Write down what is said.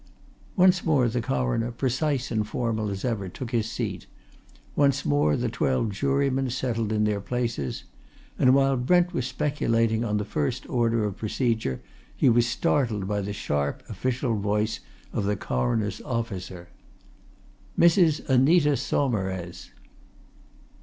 Once more the Coroner, precise and formal as ever, took his seat; once more the twelve jurymen settled in their places. And while Brent was speculating on the first order of procedure he was startled by the sharp, official voice of the Coroner's officer. "Mrs. Anita Saumarez!"